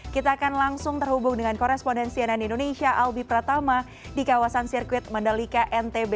kita akan langsung terhubung dengan korespondensi ann indonesia albi pratama di kawasan sirkuit mandalika ntb